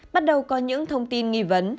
bắt đầu có những thông tin nghi vấn